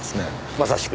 まさしく。